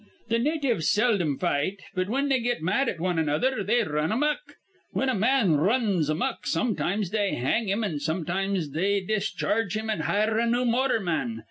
Th' natives seldom fight, but whin they get mad at wan another they r run a muck. Whin a man r runs a muck, sometimes they hang him an' sometimes they discharge him an' hire a new motorman.